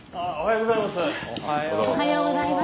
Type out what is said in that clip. おはようございます。